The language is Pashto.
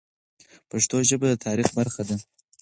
پښتو ژبه د تاریخ برخه ده.